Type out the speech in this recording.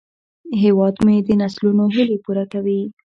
هیواد مې د نسلونو هیلې پوره کوي